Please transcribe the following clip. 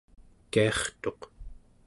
kiartuq